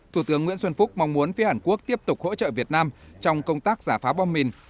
thủ tướng nguyễn xuân phúc mong muốn phía hàn quốc tiếp tục hỗ trợ việt nam trong công tác giả phá bom mìn